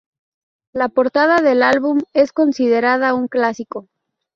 La portada del álbum es considerada un clásico.